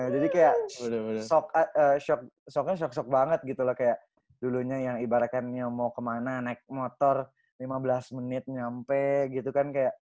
jadi kayak shocknya shock shock banget gitu loh kayak dulunya yang ibaratnya mau kemana naik motor lima belas menit nyampe gitu kan kayak